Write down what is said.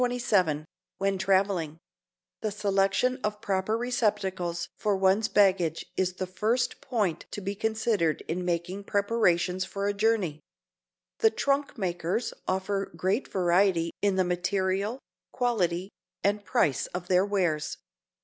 CHAPTER XXVII WHEN TRAVELING THE selection of proper receptacles for one's baggage is the first point to be considered in making preparations for a journey. The trunk makers offer great variety in the material, quality and price of their wares.